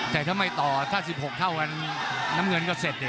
แต่ถ้าไม่ต่อถ้า๑๖เท่ากันน้ำเงินก็เสร็จเนี่ย